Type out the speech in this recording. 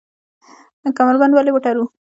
کمربند ولې وتړو؟